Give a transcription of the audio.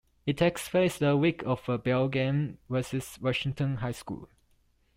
It takes place the week of the "Bell Game" versus Washington High School.